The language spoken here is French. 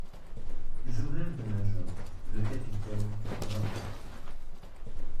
Jurèrent le major, le capitaine, vingt autres.